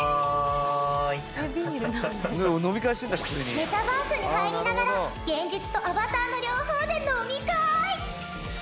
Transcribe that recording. メタバースに入りながら現実とアバターの両方で飲み会！